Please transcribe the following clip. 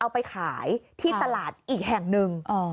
ไปขายที่ตลาดอีกแห่งหนึ่ง